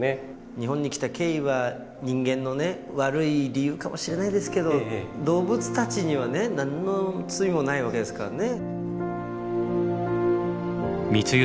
日本に来た経緯は人間のね悪い理由かもしれないですけど動物たちにはね何の罪もないわけですからね。